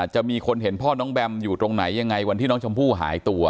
จะมีคนเห็นพ่อน้องแบมอยู่ตรงไหนยังไงวันที่น้องชมพู่หายตัว